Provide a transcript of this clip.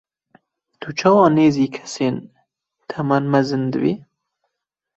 Tu çawa nêzî kesên temenmezin dibî?